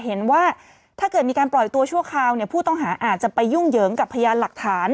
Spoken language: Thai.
เห็นว่าถ้าเกิดมีการปล่อยตัวชั่วคราวเนี่ยผู้ต้องหาอาจจะไปยุ่งเหยิงกับพยานหลักฐาน